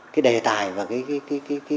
cái đề tài và cái